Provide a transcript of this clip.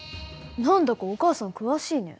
何だかお母さん詳しいね。